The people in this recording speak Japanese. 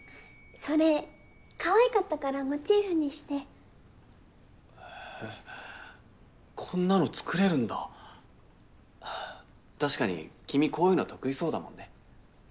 それかわいかったからモチーフにしてへえこんなの作れるんだ確かに君こういうの得意そうだもんね